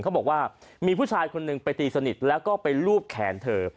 เขาบอกว่ามีผู้ชายคนหนึ่งไปตีสนิทแล้วก็ไปลูบแขนเธอ